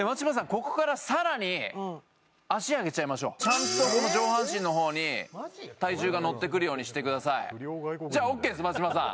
ここからさらに足上げちゃいましょうちゃんと上半身のほうに体重がのってくるようにしてくださいじゃあＯＫです松嶋さん